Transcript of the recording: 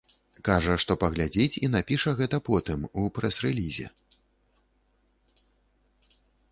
Кажа, што паглядзіць і напіша гэта потым, у прэс-рэлізе.